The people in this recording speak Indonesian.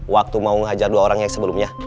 waktu mau menghajar dua orang yang sebelumnya